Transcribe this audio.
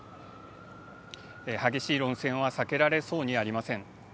激しい論戦は避けられそうにありません。